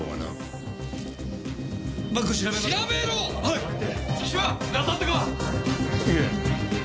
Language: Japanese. いえ。